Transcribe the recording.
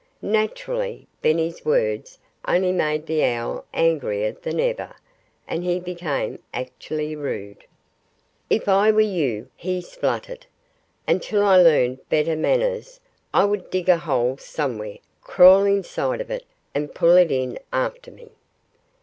Naturally, Benny's words only made the owl angrier than ever. And he became actually rude. "If I were you," he spluttered, "until I learned better manners I would dig a hole somewhere, crawl inside it, and pull it in after me."